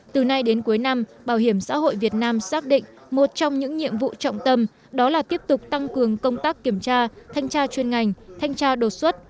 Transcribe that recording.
từ nay đến cuối năm bảo hiểm xã hội việt nam xác định một trong những nhiệm vụ trọng tâm đó là tiếp tục tăng cường công tác kiểm tra thanh tra chuyên ngành thanh tra đột xuất